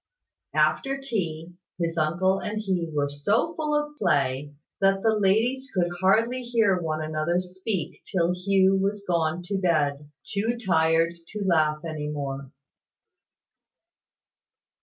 After tea, his uncle and he were so full of play, that the ladies could hardly hear one another speak till Hugh was gone to bed, too tired to laugh any more.